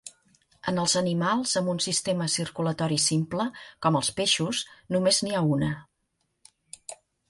En els animals amb un sistema circulatori simple, com els peixos, només n'hi ha una.